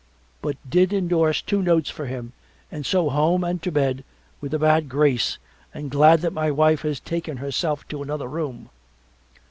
But did indorse two notes for him and so home and to bed with a bad grace and glad that my wife has betaken herself to another room.